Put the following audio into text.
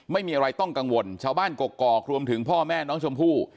ไม่มีอะไรต้องกังวลชาวบ้านกกอกรวมถึงพ่อแม่น้องชมพู่